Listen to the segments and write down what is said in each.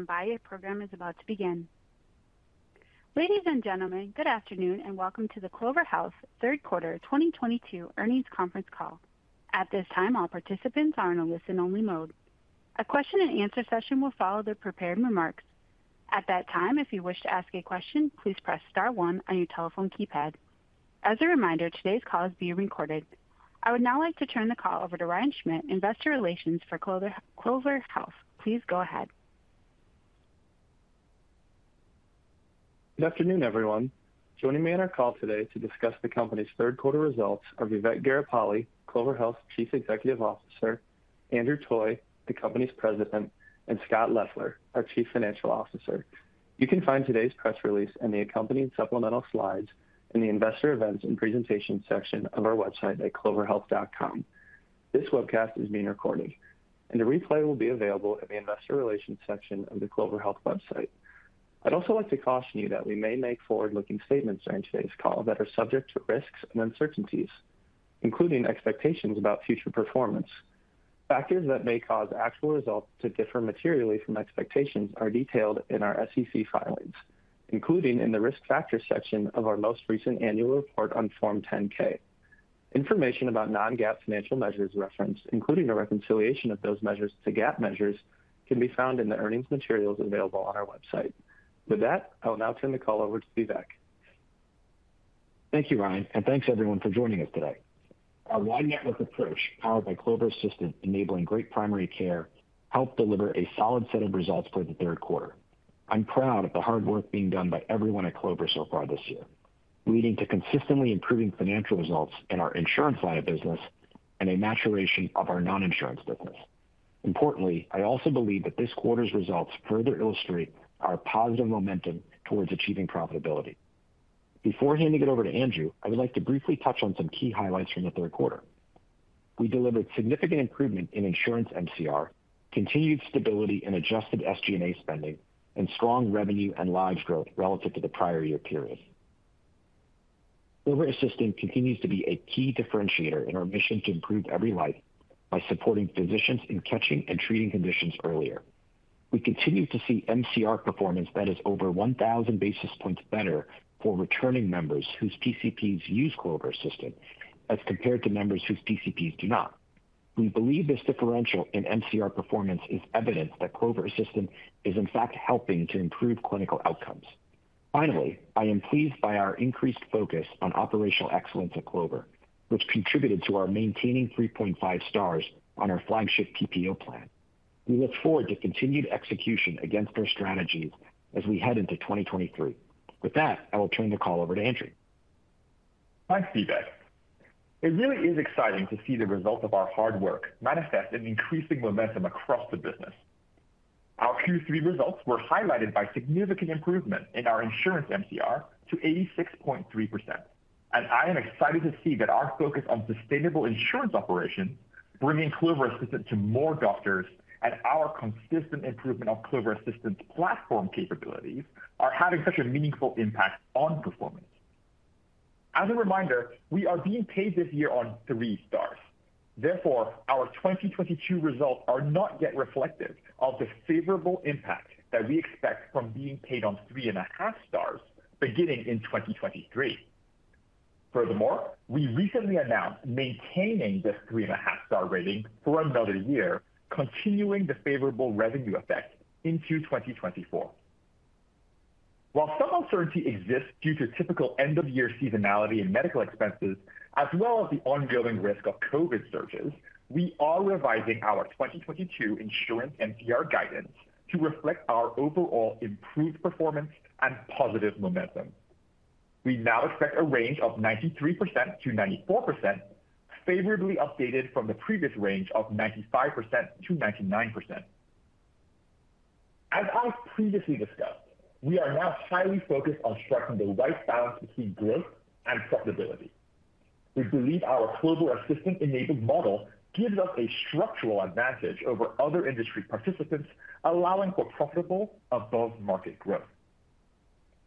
Please stand by. A program is about to begin. Ladies and gentlemen, good afternoon, and welcome to the Clover Health Third Quarter 2022 Earnings Conference Call. At this time, all participants are in a listen-only mode. A question and answer session will follow the prepared remarks. At that time, if you wish to ask a question, please press star one on your telephone keypad. As a reminder, today's call is being recorded. I would now like to turn the call over to Ryan Schmidt, investor relations for Clover Health. Please go ahead. Good afternoon, everyone. Joining me on our call today to discuss the company's third quarter results are Vivek Garipalli, Clover Health's Chief Executive Officer, Andrew Toy, the company's President, and Scott Leffler, our Chief Financial Officer. You can find today's press release and the accompanying supplemental slides in the investor events and presentation section of our website at cloverhealth.com. This webcast is being recorded, and the replay will be available in the investor relations section of the Clover Health website. I'd also like to caution you that we may make forward-looking statements during today's call that are subject to risks and uncertainties, including expectations about future performance. Factors that may cause actual results to differ materially from expectations are detailed in our SEC filings, including in the risk factors section of our most recent annual report on Form 10-K. Information about non-GAAP financial measures referenced, including a reconciliation of those measures to GAAP measures, can be found in the earnings materials available on our website. With that, I will now turn the call over to Vivek. Thank you, Ryan, and thanks, everyone, for joining us today. Our wide network approach, powered by Clover Assistant enabling great primary care, helped deliver a solid set of results for the third quarter. I'm proud of the hard work being done by everyone at Clover so far this year, leading to consistently improving financial results in our insurance line of business and a maturation of our non-insurance business. Importantly, I also believe that this quarter's results further illustrate our positive momentum towards achieving profitability. Before handing it over to Andrew, I would like to briefly touch on some key highlights from the third quarter. We delivered significant improvement in insurance MCR, continued stability in adjusted SG&A spending, and strong revenue and lives growth relative to the prior year period. Clover Assistant continues to be a key differentiator in our mission to improve every life by supporting physicians in catching and treating conditions earlier. We continue to see MCR performance that is over 1,000 basis points better for returning members whose PCPs use Clover Assistant as compared to members whose PCPs do not. We believe this differential in MCR performance is evidence that Clover Assistant is in fact helping to improve clinical outcomes. Finally, I am pleased by our increased focus on operational excellence at Clover, which contributed to our maintaining 3.5 stars on our flagship PPO plan. We look forward to continued execution against our strategies as we head into 2023. With that, I will turn the call over to Andrew. Thanks, Vivek. It really is exciting to see the results of our hard work manifest in increasing momentum across the business. Our Q3 results were highlighted by significant improvement in our insurance MCR to 86.3%. I am excited to see that our focus on sustainable insurance operations, bringing Clover Assistant to more doctors, and our consistent improvement of Clover Assistant's platform capabilities are having such a meaningful impact on performance. As a reminder, we are being paid this year on three stars. Therefore, our 2022 results are not yet reflective of the favorable impact that we expect from being paid on three and a half stars beginning in 2023. Furthermore, we recently announced maintaining this three and a half star rating for another year, continuing the favorable revenue effect into 2024. While some uncertainty exists due to typical end-of-year seasonality in medical expenses, as well as the ongoing risk of COVID surges, we are revising our 2022 insurance MCR guidance to reflect our overall improved performance and positive momentum. We now expect a range of 93%-94%, favorably updated from the previous range of 95%-99%. As I've previously discussed, we are now highly focused on striking the right balance between growth and profitability. We believe our Clover Assistant-enabled model gives us a structural advantage over other industry participants, allowing for profitable above-market growth.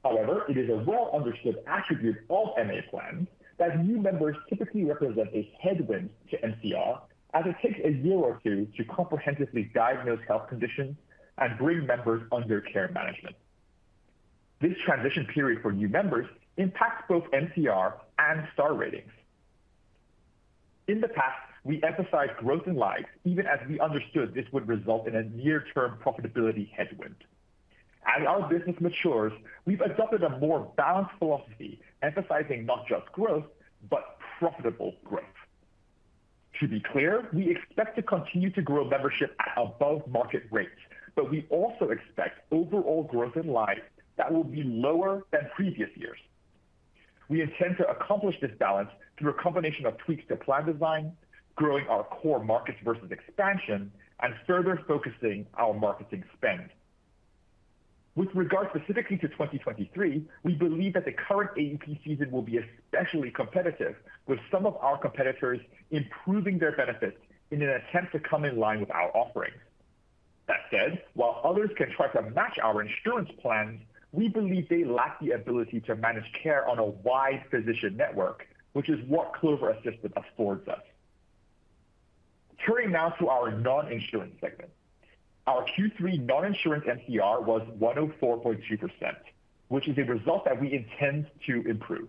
However, it is a well-understood attribute of MA plans that new members typically represent a headwind to MCR, as it takes a year or two to comprehensively diagnose health conditions and bring members under care management. This transition period for new members impacts both MCR and star ratings. In the past, we emphasized growth in lives even as we understood this would result in a near-term profitability headwind. As our business matures, we've adopted a more balanced philosophy emphasizing not just growth, but profitable growth. To be clear, we expect to continue to grow membership at above-market rates. We also expect overall growth in lives that will be lower than previous years. We intend to accomplish this balance through a combination of tweaks to plan design, growing our core markets versus expansion, and further focusing our marketing spend. With regard specifically to 2023, we believe that the current AEP season will be especially competitive, with some of our competitors improving their benefits in an attempt to come in line with our offering. That said, while others can try to match our insurance plans, we believe they lack the ability to manage care on a wide physician network, which is what Clover Assistant affords us. Turning now to our non-insurance segment. Our Q3 non-insurance MCR was 104.2%, which is a result that we intend to improve.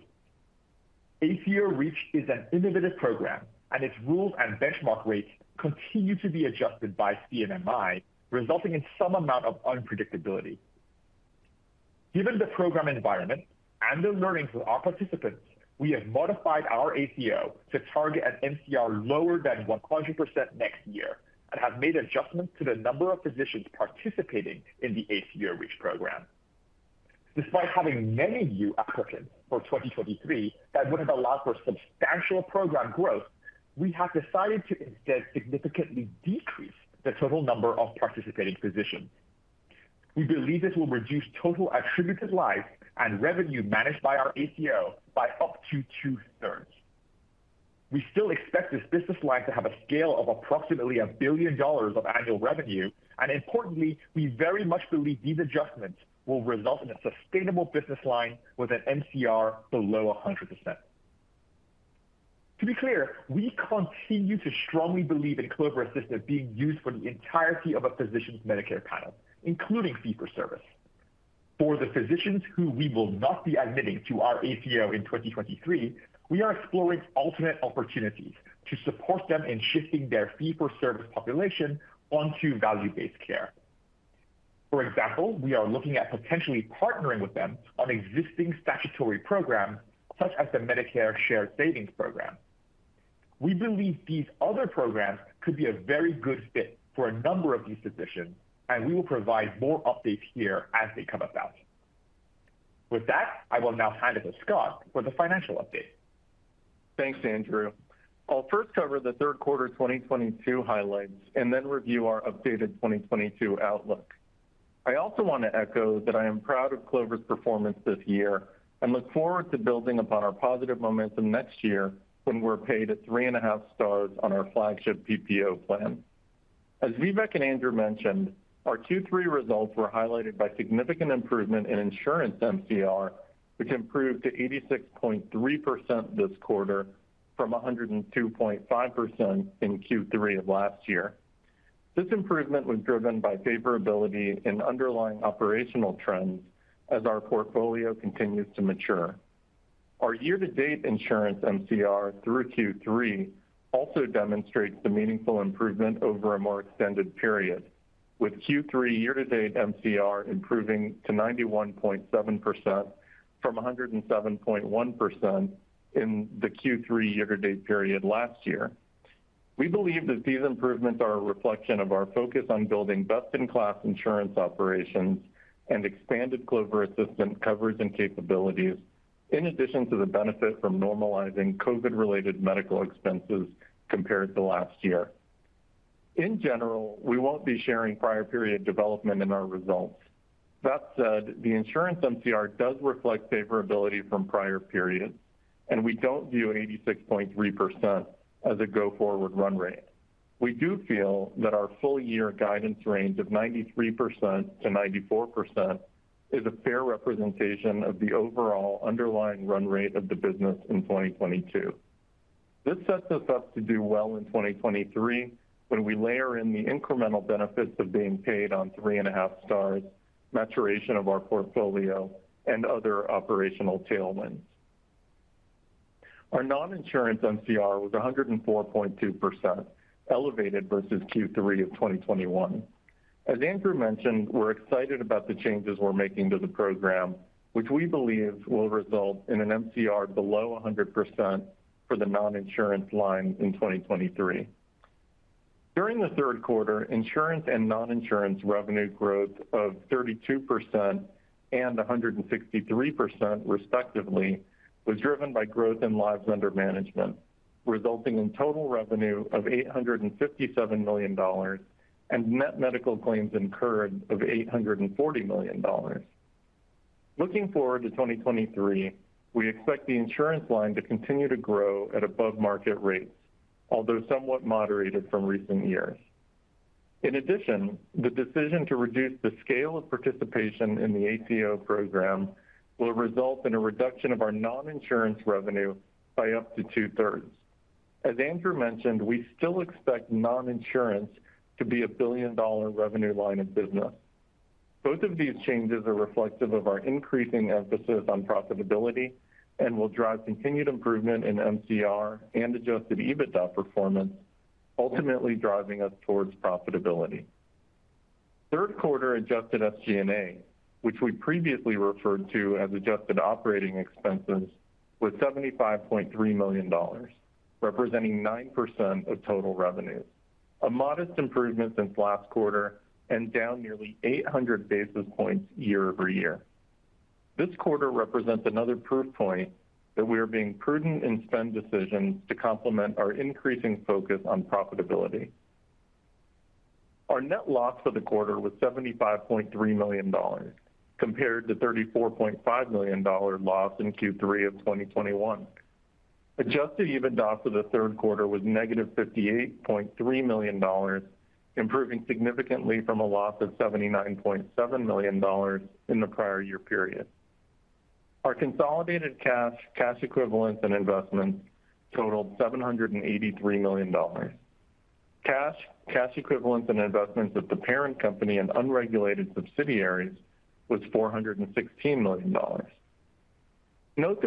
ACO REACH is an innovative program, and its rules and benchmark rates continue to be adjusted by CMMI, resulting in some amount of unpredictability. Given the program environment and the learnings of our participants, we have modified our ACO to target an MCR lower than 100% next year, and have made adjustments to the number of physicians participating in the ACO REACH program. Despite having many new applicants for 2023 that would have allowed for substantial program growth, we have decided to instead significantly decrease the total number of participating physicians. We believe this will reduce total attributed lives and revenue managed by our ACO by up to two-thirds. We still expect this business line to have a scale of approximately $1 billion of annual revenue, and importantly, we very much believe these adjustments will result in a sustainable business line with an MCR below 100%. To be clear, we continue to strongly believe in Clover Assistant being used for the entirety of a physician's Medicare panel, including fee for service. For the physicians who we will not be admitting to our ACO in 2023, we are exploring alternate opportunities to support them in shifting their fee-for-service population onto value-based care. For example, we are looking at potentially partnering with them on existing statutory programs, such as the Medicare Shared Savings Program. We believe these other programs could be a very good fit for a number of these physicians, and we will provide more updates here as they come about. With that, I will now hand it to Scott for the financial update. Thanks, Andrew. I'll first cover the third quarter 2022 highlights and then review our updated 2022 outlook. I also want to echo that I am proud of Clover's performance this year and look forward to building upon our positive momentum next year when we're paid at three and a half stars on our flagship PPO plan. As Vivek and Andrew mentioned, our Q3 results were highlighted by significant improvement in insurance MCR, which improved to 86.3% this quarter from 102.5% in Q3 of last year. This improvement was driven by favorability in underlying operational trends as our portfolio continues to mature. Our year-to-date insurance MCR through Q3 also demonstrates the meaningful improvement over a more extended period, with Q3 year-to-date MCR improving to 91.7% from 107.1% in the Q3 year-to-date period last year. We believe that these improvements are a reflection of our focus on building best-in-class insurance operations and expanded Clover Assistant coverage and capabilities, in addition to the benefit from normalizing COVID-related medical expenses compared to last year. We won't be sharing prior period development in our results. The insurance MCR does reflect favorability from prior periods, and we don't view 86.3% as a go-forward run rate. We do feel that our full year guidance range of 93%-94% is a fair representation of the overall underlying run rate of the business in 2022. This sets us up to do well in 2023 when we layer in the incremental benefits of being paid on three and a half stars, maturation of our portfolio, and other operational tailwinds. Our non-insurance MCR was 104.2%, elevated versus Q3 of 2021. As Andrew mentioned, we're excited about the changes we're making to the program, which we believe will result in an MCR below 100% for the non-insurance line in 2023. During the third quarter, insurance and non-insurance revenue growth of 32% and 163%, respectively, was driven by growth in lives under management, resulting in total revenue of $857 million and net medical claims incurred of $840 million. Looking forward to 2023, we expect the insurance line to continue to grow at above market rates, although somewhat moderated from recent years. The decision to reduce the scale of participation in the ACO program will result in a reduction of our non-insurance revenue by up to two-thirds. As Andrew mentioned, we still expect non-insurance to be a billion-dollar revenue line of business. Both of these changes are reflective of our increasing emphasis on profitability and will drive continued improvement in MCR and adjusted EBITDA performance, ultimately driving us towards profitability. Third quarter adjusted SG&A, which we previously referred to as adjusted operating expenses, was $75.3 million, representing 9% of total revenues. A modest improvement since last quarter and down nearly 800 basis points year-over-year. This quarter represents another proof point that we are being prudent in spend decisions to complement our increasing focus on profitability. Our net loss for the quarter was $75.3 million, compared to $34.5 million loss in Q3 of 2021. Adjusted EBITDA for the third quarter was negative $58.3 million, improving significantly from a loss of $79.7 million in the prior year period. Our consolidated cash equivalents, and investments totaled $783 million. Cash, cash equivalents, and investments of the parent company and unregulated subsidiaries was $416 million.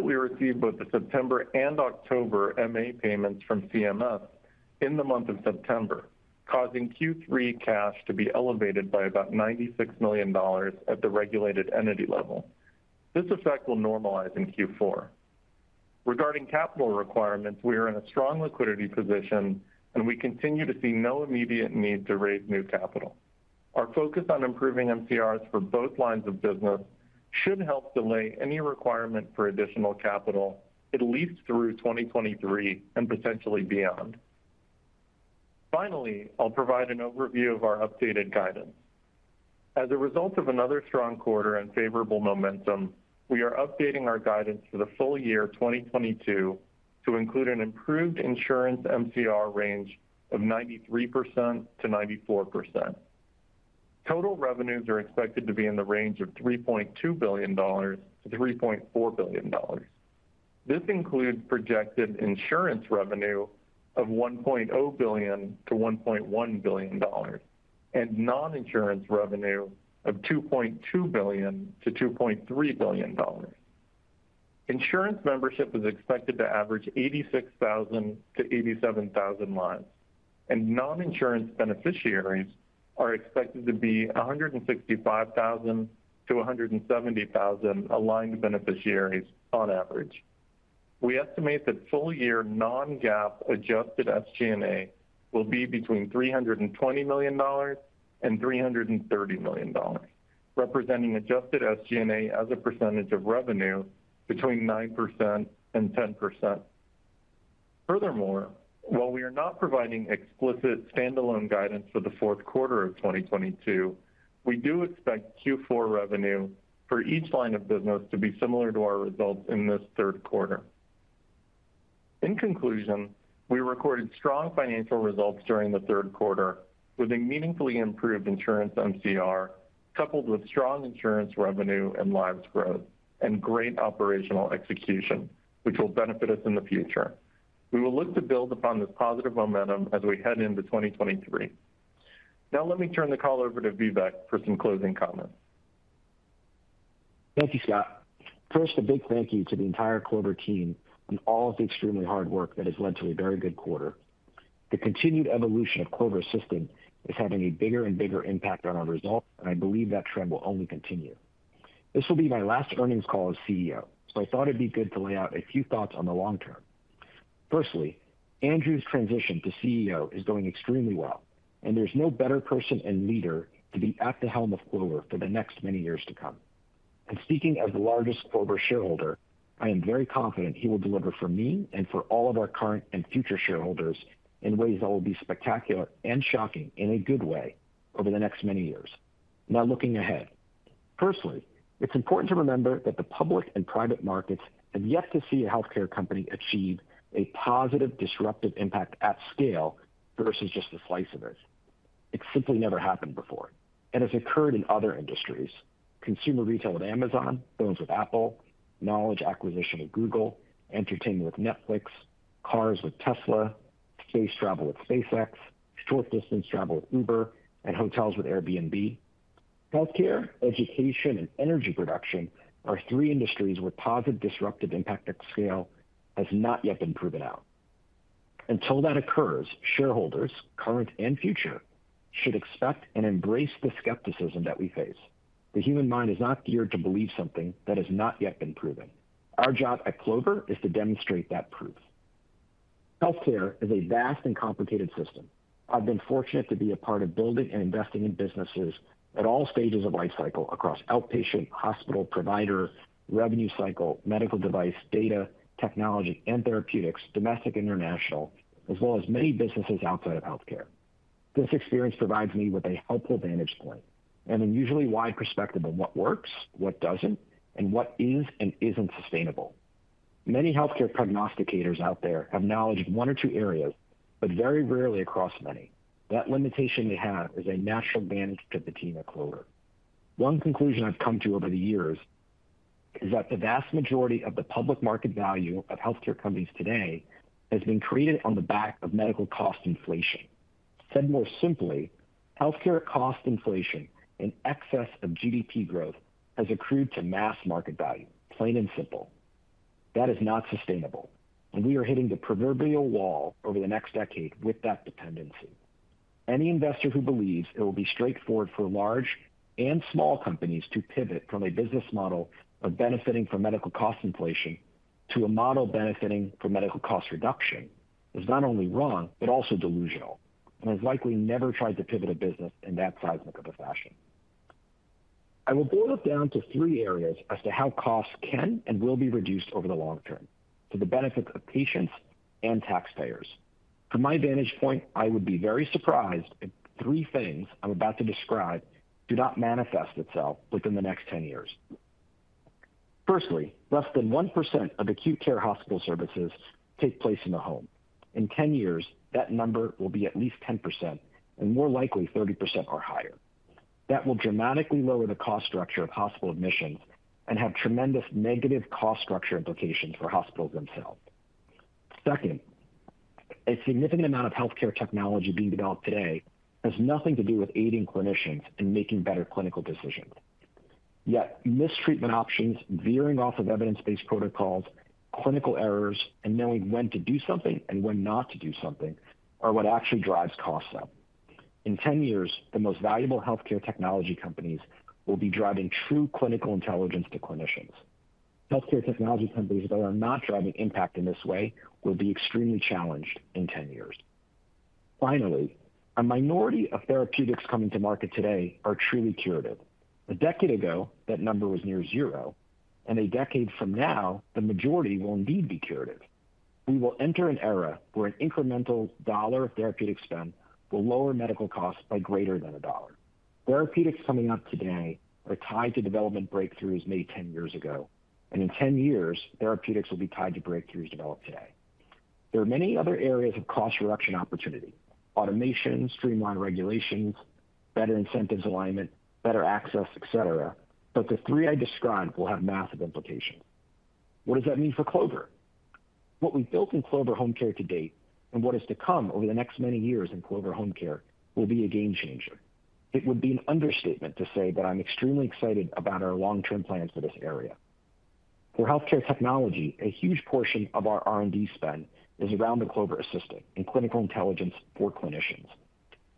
We received both the September and October MA payments from CMS in the month of September, causing Q3 cash to be elevated by about $96 million at the regulated entity level. This effect will normalize in Q4. Regarding capital requirements, we are in a strong liquidity position, and we continue to see no immediate need to raise new capital. Our focus on improving MCRs for both lines of business should help delay any requirement for additional capital at least through 2023, and potentially beyond. I'll provide an overview of our updated guidance. As a result of another strong quarter and favorable momentum, we are updating our guidance for the full year 2022 to include an improved insurance MCR range of 93%-94%. Total revenues are expected to be in the range of $3.2 billion-$3.4 billion. This includes projected insurance revenue of $1.0 billion-$1.1 billion, and non-insurance revenue of $2.2 billion-$2.3 billion. Insurance membership is expected to average 86,000-87,000 lives, and non-insurance beneficiaries are expected to be 165,000-170,000 aligned beneficiaries on average. We estimate that full year non-GAAP adjusted SG&A will be between $320 million and $330 million, representing adjusted SG&A as a percentage of revenue between 9% and 10%. While we are not providing explicit standalone guidance for the fourth quarter of 2022, we do expect Q4 revenue for each line of business to be similar to our results in this third quarter. We recorded strong financial results during the third quarter with a meaningfully improved insurance MCR, coupled with strong insurance revenue and lives growth, and great operational execution, which will benefit us in the future. We will look to build upon this positive momentum as we head into 2023. Let me turn the call over to Vivek for some closing comments. Thank you, Scott. A big thank you to the entire Clover team on all of the extremely hard work that has led to a very good quarter. The continued evolution of Clover Assistant is having a bigger and bigger impact on our results, and I believe that trend will only continue. This will be my last earnings call as CEO, so I thought it'd be good to lay out a few thoughts on the long term. Andrew's transition to CEO is going extremely well, and there's no better person and leader to be at the helm of Clover for the next many years to come. Speaking as the largest Clover shareholder, I am very confident he will deliver for me and for all of our current and future shareholders in ways that will be spectacular and shocking in a good way over the next many years. Looking ahead. It's important to remember that the public and private markets have yet to see a healthcare company achieve a positive disruptive impact at scale versus just a slice of it. It simply never happened before, and it's occurred in other industries, consumer retail with Amazon, phones with Apple, knowledge acquisition with Google, entertainment with Netflix, cars with Tesla, space travel with SpaceX, short distance travel with Uber, and hotels with Airbnb. Healthcare, education, and energy production are three industries where positive disruptive impact at scale has not yet been proven out. Until that occurs, shareholders, current and future, should expect and embrace the skepticism that we face. The human mind is not geared to believe something that has not yet been proven. Our job at Clover is to demonstrate that proof. Healthcare is a vast and complicated system. I've been fortunate to be a part of building and investing in businesses at all stages of life cycle across outpatient, hospital, provider, revenue cycle, medical device, data, technology, and therapeutics, domestic, international, as well as many businesses outside of healthcare. This experience provides me with a helpful vantage point and an unusually wide perspective on what works, what doesn't, and what is and isn't sustainable. Many healthcare prognosticators out there have knowledge of one or two areas, but very rarely across many. That limitation they have is a natural advantage to the team at Clover. One conclusion I've come to over the years is that the vast majority of the public market value of healthcare companies today has been created on the back of medical cost inflation. Said more simply, healthcare cost inflation in excess of GDP growth has accrued to mass market value, plain and simple. That is not sustainable. We are hitting the proverbial wall over the next decade with that dependency. Any investor who believes it will be straightforward for large and small companies to pivot from a business model of benefiting from medical cost inflation to a model benefiting from medical cost reduction is not only wrong, also delusional, and has likely never tried to pivot a business in that seismic of a fashion. I will boil it down to three areas as to how costs can and will be reduced over the long term for the benefit of patients and taxpayers. From my vantage point, I would be very surprised if the three things I'm about to describe do not manifest itself within the next 10 years. Firstly, less than 1% of acute care hospital services take place in the home. In 10 years, that number will be at least 10%, and more likely 30% or higher. That will dramatically lower the cost structure of hospital admissions and have tremendous negative cost structure implications for hospitals themselves. Second, a significant amount of healthcare technology being developed today has nothing to do with aiding clinicians in making better clinical decisions. Missed treatment options, veering off of evidence-based protocols, clinical errors, and knowing when to do something and when not to do something are what actually drives costs up. In 10 years, the most valuable healthcare technology companies will be driving true clinical intelligence to clinicians. Healthcare technology companies that are not driving impact in this way will be extremely challenged in 10 years. Finally, a minority of therapeutics coming to market today are truly curative. A decade ago, that number was near zero. A decade from now, the majority will indeed be curative. We will enter an era where an incremental dollar of therapeutic spend will lower medical costs by greater than a dollar. Therapeutics coming up today are tied to development breakthroughs made 10 years ago. In 10 years, therapeutics will be tied to breakthroughs developed today. There are many other areas of cost reduction opportunity, automation, streamlined regulations, better incentives alignment, better access, et cetera. The three I described will have massive implications. What does that mean for Clover? What we've built in Clover Home Care to date, and what is to come over the next many years in Clover Home Care, will be a game changer. It would be an understatement to say that I'm extremely excited about our long-term plans for this area. For healthcare technology, a huge portion of our R&D spend is around the Clover Assistant and clinical intelligence for clinicians.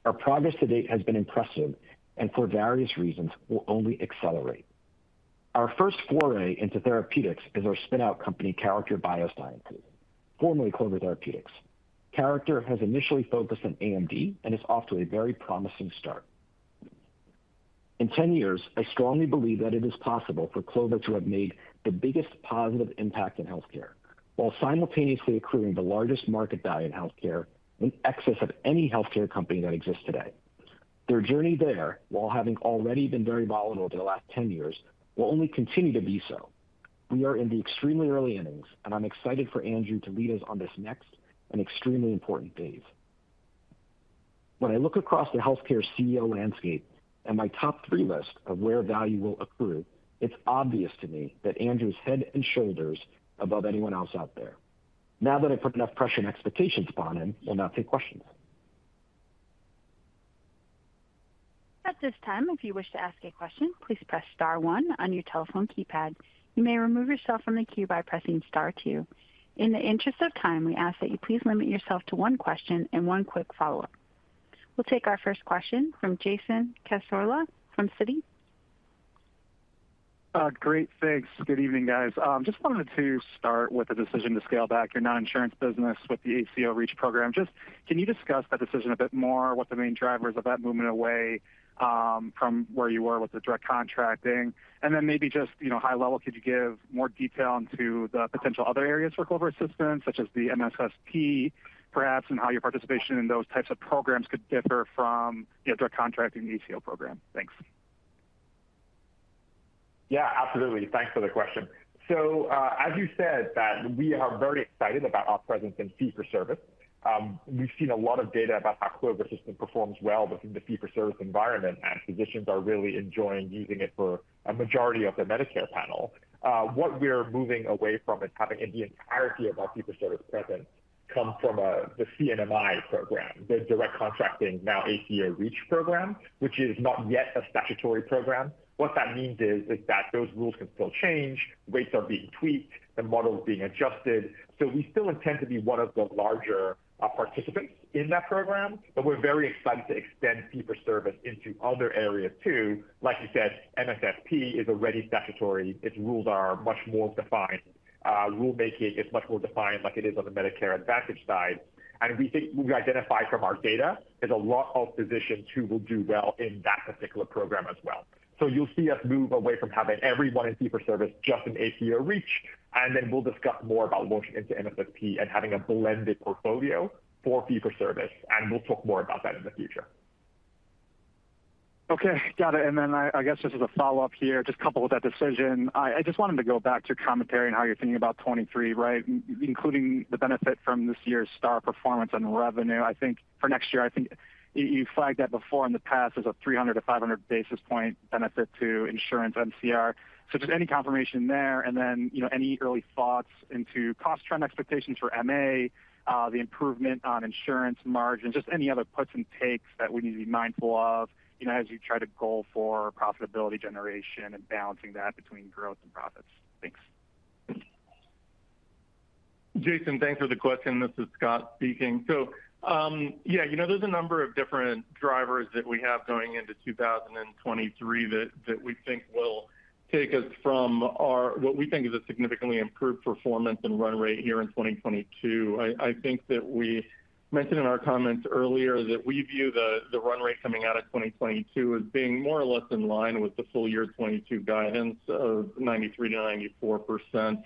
Our progress to date has been impressive and, for various reasons, will only accelerate. Our first foray into therapeutics is our spin-out company, Character Biosciences, formerly Clover Therapeutics. Character has initially focused on AMD and is off to a very promising start. In 10 years, I strongly believe that it is possible for Clover to have made the biggest positive impact in healthcare while simultaneously accruing the largest market value in healthcare in excess of any healthcare company that exists today. Their journey there, while having already been very volatile over the last 10 years, will only continue to be so. We are in the extremely early innings, and I'm excited for Andrew to lead us on this next and extremely important phase. When I look across the healthcare CEO landscape and my top three list of where value will accrue, it's obvious to me that Andrew is head and shoulders above anyone else out there. Now that I've put enough pressure and expectations upon him, we'll now take questions. At this time, if you wish to ask a question, please press star one on your telephone keypad. You may remove yourself from the queue by pressing star two. In the interest of time, we ask that you please limit yourself to one question and one quick follow-up. We'll take our first question from Jason Cassorla from Citi. Great. Thanks. Good evening, guys. Just wanted to start with the decision to scale back your non-insurance business with the ACO REACH program. Just can you discuss that decision a bit more, what the main drivers of that movement away from where you were with the direct contracting? Maybe just high level, could you give more detail into the potential other areas for Clover Assistant, such as the MSSP, perhaps, and how your participation in those types of programs could differ from direct contracting ACO program? Thanks. Absolutely. Thanks for the question. As you said, we are very excited about our presence in fee-for-service. We've seen a lot of data about how Clover Assistant performs well within the fee-for-service environment, and physicians are really enjoying using it for a majority of their Medicare panel. What we're moving away from is having the entirety of our fee-for-service presence come from the CMMI program, the direct contracting, now ACO REACH program, which is not yet a statutory program. What that means is that those rules can still change, rates are being tweaked, and models being adjusted. We still intend to be one of the larger participants in that program, but we're very excited to extend fee-for-service into other areas, too. Like you said, MSSP is already statutory. Its rules are much more defined. Rulemaking is much more defined like it is on the Medicare Advantage side. We think we've identified from our data, there's a lot of physicians who will do well in that particular program as well. You'll see us move away from having everyone in fee-for-service just in ACO REACH, and then we'll discuss more about launching into MSSP and having a blended portfolio for fee-for-service, and we'll talk more about that in the future. Okay. Got it. I guess just as a follow-up here, just coupled with that decision, I just wanted to go back to your commentary on how you're thinking about 2023, including the benefit from this year's star performance and revenue. I think for next year, I think you flagged that before in the past as a 300-500 basis point benefit to insurance MCR. Just any confirmation there, and then any early thoughts into cost trend expectations for MA, the improvement on insurance margins, just any other puts and takes that we need to be mindful of as you try to goal for profitability generation and balancing that between growth and profits. Thanks. Jason, thanks for the question. This is Scott speaking. There's a number of different drivers that we have going into 2023 that we think will take us from what we think is a significantly improved performance and run rate here in 2022. I think that we mentioned in our comments earlier that we view the run rate coming out of 2022 as being more or less in line with the full year 2022 guidance of 93%-94%,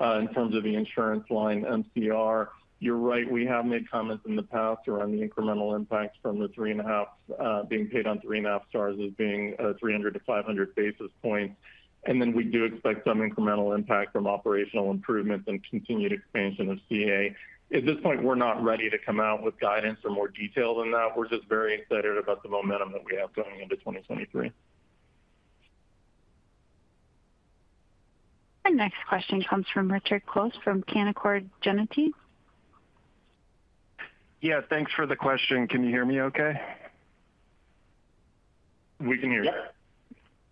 in terms of the insurance line MCR. You're right, we have made comments in the past around the incremental impact from being paid on 3.5 stars as being 300-500 basis points. We do expect some incremental impact from operational improvements and continued expansion of CA. At this point, we're not ready to come out with guidance or more detail than that. We're just very excited about the momentum that we have going into 2023. Our next question comes from Richard Close from Canaccord Genuity. Yeah, thanks for the question. Can you hear me okay? We can hear you.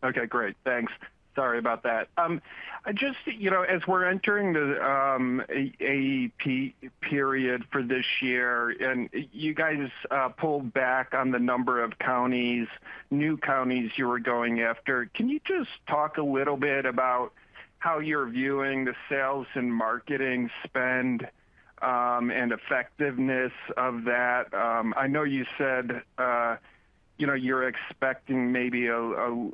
Okay, great. Thanks. Sorry about that. As we're entering the AEP period for this year, and you guys pulled back on the number of new counties you were going after, can you just talk a little bit about how you're viewing the sales and marketing spend, and effectiveness of that? I know you said you're expecting maybe a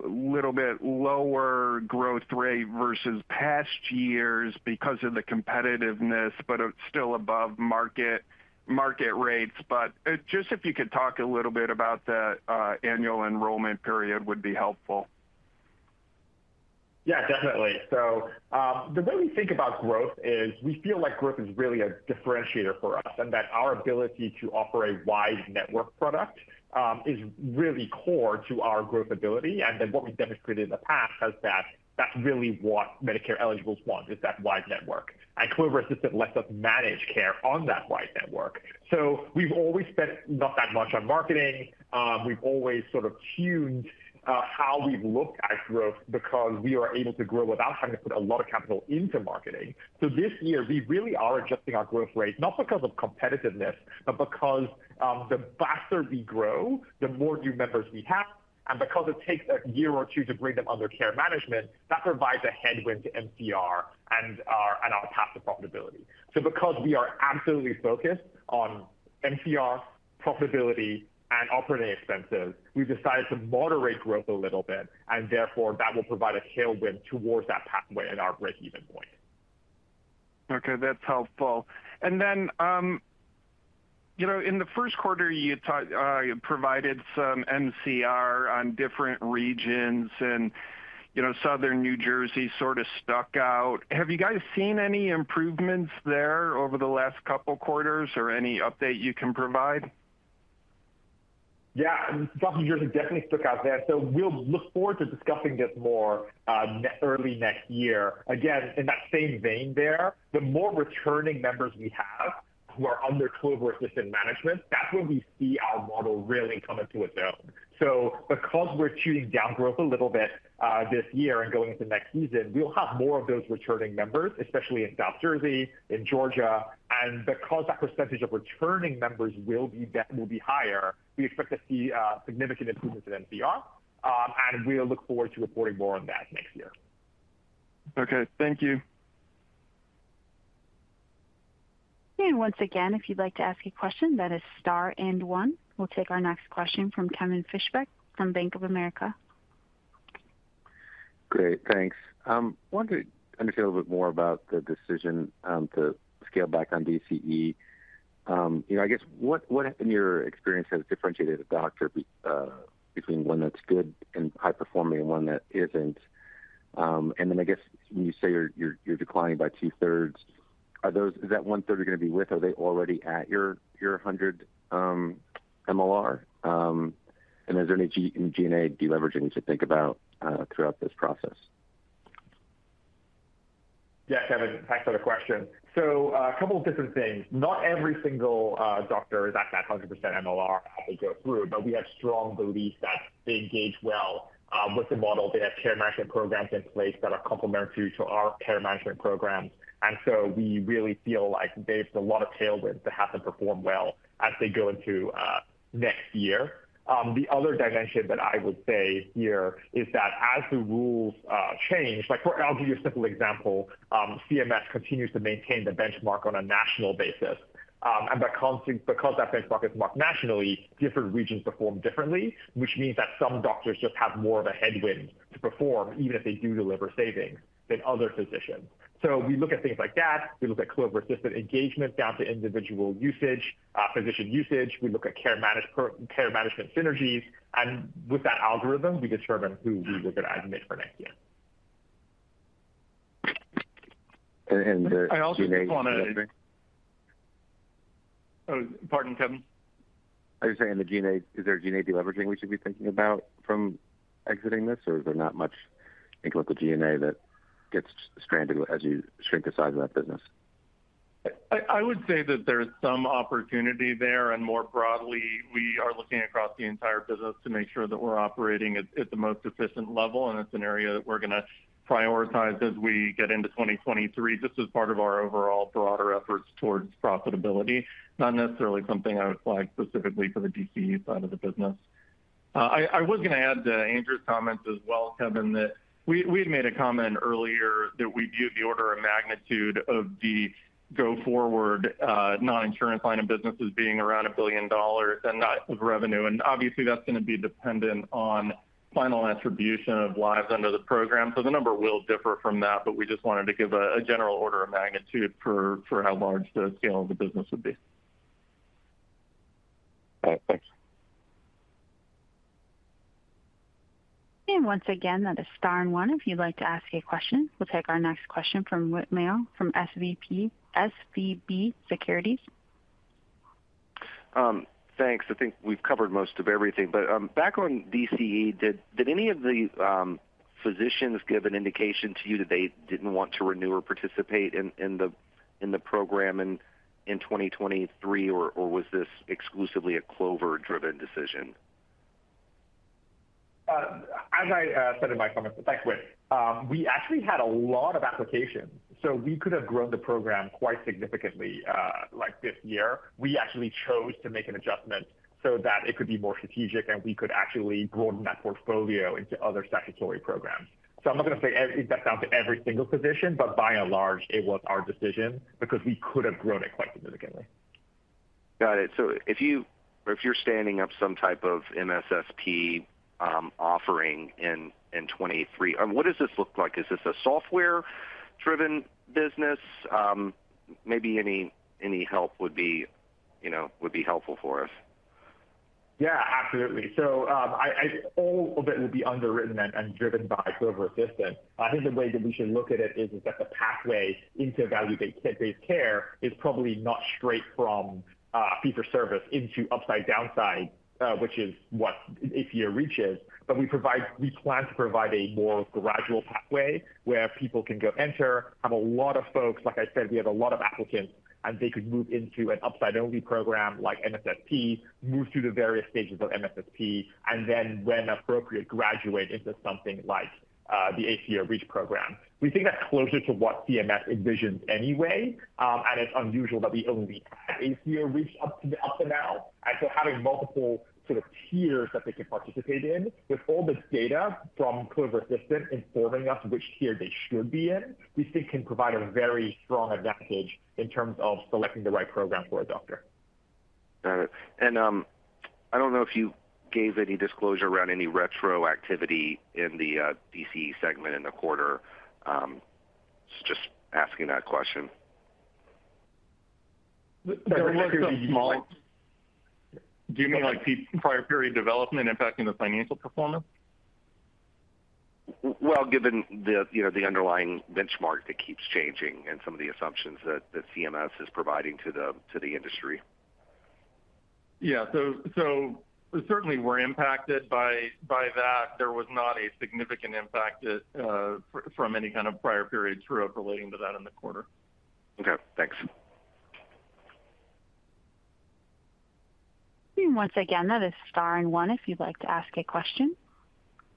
little bit lower growth rate versus past years because of the competitiveness, but it's still above market rates. Just if you could talk a little bit about the Annual Enrollment Period would be helpful. Yeah, definitely. The way we think about growth is we feel like growth is really a differentiator for us, and that our ability to offer a wide network product, is really core to our growth ability. What we've demonstrated in the past is that that's really what Medicare eligibles want, is that wide network. Clover Assistant lets us manage care on that wide network. We've always spent not that much on marketing. We've always sort of tuned how we've looked at growth because we are able to grow without having to put a lot of capital into marketing. This year, we really are adjusting our growth rate, not because of competitiveness, but because the faster we grow, the more new members we have. Because it takes a year or two to bring them under care management, that provides a headwind to MCR and our path to profitability. Because we are absolutely focused on MCR profitability and operating expenses, we've decided to moderate growth a little bit, and therefore that will provide a tailwind towards that pathway and our breakeven point. Okay, that's helpful. In the first quarter, you provided some MCR on different regions and Southern New Jersey sort of stuck out. Have you guys seen any improvements there over the last couple quarters or any update you can provide? Yeah. Southern Jersey definitely stuck out there. We'll look forward to discussing this more early next year. Again, in that same vein there, the more returning members we have who are under Clover Assistant management, that's when we see our model really come into its own. Because we're tuning down growth a little bit this year and going into next season, we will have more of those returning members, especially in South Jersey, in Georgia. Because that percentage of returning members will be higher, we expect to see significant improvements in MCR. We'll look forward to reporting more on that next year. Okay. Thank you. Once again, if you'd like to ask a question, that is star and one. We'll take our next question from Kevin Fischbeck from Bank of America. Great, thanks. Wanted to understand a little bit more about the decision to scale back on DCE. I guess what, in your experience, has differentiated a doctor, between one that's good and high-performing and one that isn't? Then I guess when you say you're declining by two-thirds, is that one-third you're going to be with, are they already at your 100 MLR? Is there any G&A deleveraging to think about throughout this process? Yeah, Kevin, thanks for the question. A couple of different things. Not every single doctor is at that 100% MLR as they go through, but we have strong belief that they engage well with the model. They have care management programs in place that are complementary to our care management programs. We really feel like there's a lot of tailwinds to have them perform well as they go into next year. The other dimension that I would say here is that as the rules change, I'll give you a simple example. CMS continues to maintain the benchmark on a national basis. Because that benchmark is marked nationally, different regions perform differently, which means that some doctors just have more of a headwind to perform, even if they do deliver savings, than other physicians. We look at things like that. We look at Clover Assistant engagement down to individual usage, physician usage. We look at care management synergies. With that algorithm, we determine who we will admit for next year. The G&A- Pardon, Kevin. I was saying the G&A, is there a G&A deleveraging we should be thinking about from exiting this, or is there not much in the G&A that gets stranded as you shrink the size of that business? I would say that there's some opportunity there. More broadly, we are looking across the entire business to make sure that we're operating at the most efficient level, and it's an area that we're going to prioritize as we get into 2023, just as part of our overall broader efforts towards profitability, not necessarily something I would flag specifically for the DCE side of the business. I was going to add to Andrew's comments as well, Kevin, that we had made a comment earlier that we view the order of magnitude of the go forward non-insurance line of business as being around $1 billion of revenue, and obviously that's going to be dependent on final attribution of lives under the program. The number will differ from that, but we just wanted to give a general order of magnitude for how large the scale of the business would be. All right. Thanks. Once again, that is star and one if you'd like to ask a question. We'll take our next question from Whit Mayo from SVB Securities. Thanks. I think we've covered most of everything. Back on DCE, did any of the physicians give an indication to you that they didn't want to renew or participate in the program in 2023, or was this exclusively a Clover-driven decision? As I said in my comments at the outset, we actually had a lot of applications, we could have grown the program quite significantly this year. We actually chose to make an adjustment so that it could be more strategic, and we could actually broaden that portfolio into other statutory programs. I'm not going to say it gets down to every single physician, by and large, it was our decision because we could have grown it quite significantly. Got it. If you're standing up some type of MSSP offering in 2023, what does this look like? Is this a software-driven business? Maybe any help would be helpful for us. Yeah, absolutely. All of it will be underwritten and driven by Clover Assistant. I think the way that we should look at it is that the pathway into value-based care is probably not straight from fee for service into upside downside, which is what ACO REACH is. We plan to provide a more gradual pathway, where people can go enter, have a lot of folks, like I said, we have a lot of applicants, and they could move into an upside-only program like MSSP, move through the various stages of MSSP, and then when appropriate, graduate into something like the ACO REACH program. We think that's closer to what CMS envisions anyway, and it's unusual that we only had ACO REACH up to now. Having multiple sort of tiers that they can participate in with all this data from Clover Assistant informing us which tier they should be in, we think can provide a very strong advantage in terms of selecting the right program for a doctor. Got it. I don't know if you gave any disclosure around any retro activity in the DCE segment in the quarter. Just asking that question. There was some small- Do you mean like prior period development impacting the financial performance? Well, given the underlying benchmark that keeps changing and some of the assumptions that CMS is providing to the industry. Yeah. Certainly we're impacted by that. There was not a significant impact from any kind of prior period true-up relating to that in the quarter. Okay, thanks. Once again, that is star and one if you'd like to ask a question.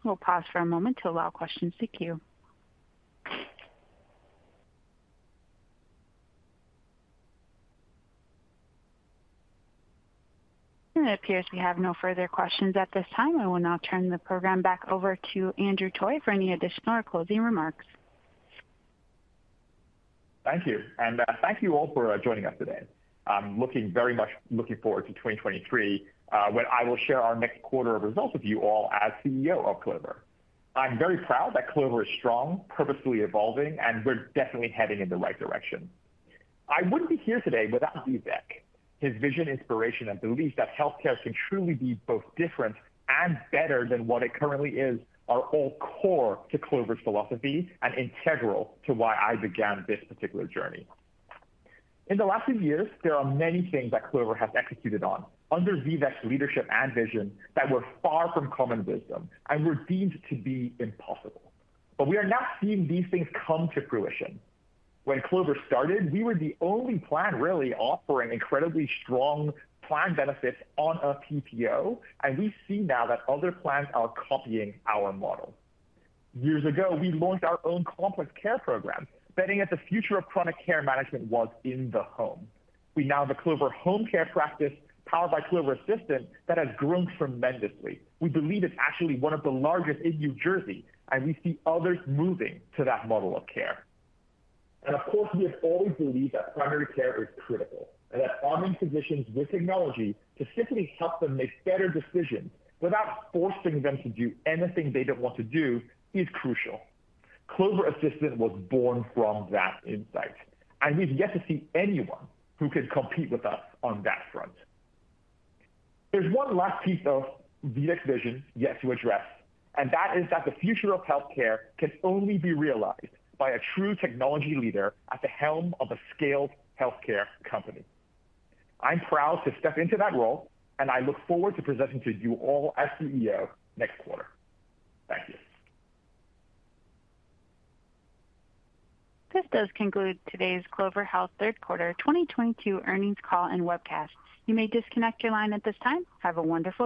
We'll pause for a moment to allow questions to queue. It appears we have no further questions at this time. I will now turn the program back over to Andrew Toy for any additional or closing remarks. Thank you, and thank you all for joining us today. I'm very much looking forward to 2023, when I will share our next quarter of results with you all as CEO of Clover. I'm very proud that Clover is strong, purposefully evolving, and we're definitely heading in the right direction. I wouldn't be here today without Vivek. His vision, inspiration, and belief that healthcare can truly be both different and better than what it currently is, are all core to Clover's philosophy and integral to why I began this particular journey. In the last few years, there are many things that Clover has executed on under Vivek's leadership and vision that were far from common wisdom and were deemed to be impossible. We are now seeing these things come to fruition. When Clover started, we were the only plan really offering incredibly strong plan benefits on a PPO. We see now that other plans are copying our model. Years ago, we launched our own complex care program, betting that the future of chronic care management was in the home. We now have a Clover Home Care practice powered by Clover Assistant that has grown tremendously. We believe it's actually one of the largest in New Jersey. We see others moving to that model of care. Of course, we have always believed that primary care is critical, and that arming physicians with technology to simply help them make better decisions without forcing them to do anything they don't want to do is crucial. Clover Assistant was born from that insight. We've yet to see anyone who can compete with us on that front. There's one last piece of Vivek's vision yet to address, that is that the future of healthcare can only be realized by a true technology leader at the helm of a scaled healthcare company. I'm proud to step into that role. I look forward to presenting to you all as CEO next quarter. Thank you. This does conclude today's Clover Health third quarter 2022 earnings call and webcast. You may disconnect your line at this time. Have a wonderful day.